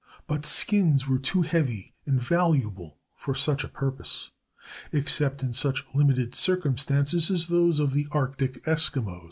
But skins were too heavy and valuable for such a purpose, except in such limited circumstances as those of the Arctic Eskimos.